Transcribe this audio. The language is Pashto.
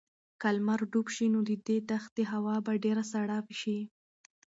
که لمر ډوب شي نو د دې دښتې هوا به ډېره سړه شي.